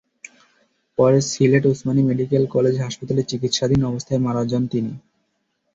পরে Sylhet Osmani medical college হাসপাতালে চিকিৎসাধীন অবস্থায় তিনি মারা যান।